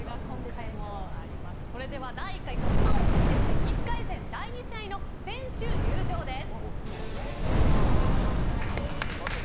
それでは第１回児嶋王決定戦１回戦第２試合の選手入場です。